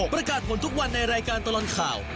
ประกาศผลทุกวันในรายการตลอดข่าว